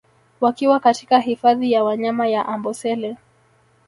Wakiwa katika hifadhi ya wanyama ya Amboseli